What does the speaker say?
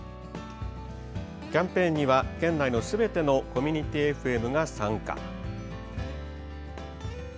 キャンペーンには県内のすべてのコミュニティＦＭが参加。